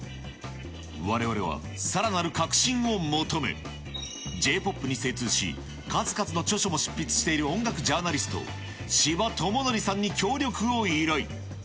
われわれは、さらなる確信を求め、ＪーＰＯＰに精通し、数々の著書も執筆している音楽ジャーナリスト、柴那典さんに協力を依頼。